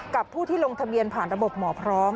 กับผู้ที่ลงทะเบียนผ่านระบบหมอพร้อม